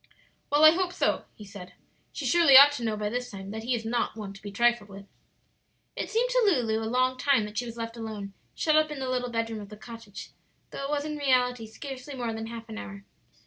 "Well, I hope so," he said. "She surely ought to know by this time that he is not one to be trifled with." It seemed to Lulu a long time that she was left alone, shut up in the little bedroom of the cottage, though it was in reality scarcely more than half an hour.